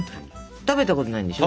食べたことないんでしょ？